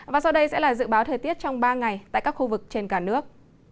và sau đây sẽ là dự báo thời tiết trong ba ngày tại các khu vực trên cả nước